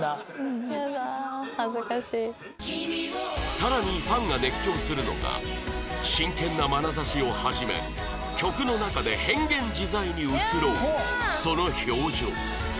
さらにファンが熱狂するのが真剣なまなざしを始め曲の中で変幻自在に移ろうその表情